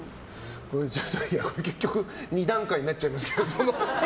結局２段階になっちゃいますけど。